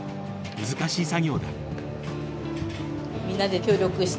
難しい作業だ。